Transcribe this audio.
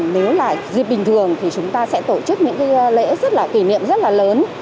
nếu là dịp bình thường thì chúng ta sẽ tổ chức những cái lễ rất là kỷ niệm rất là lớn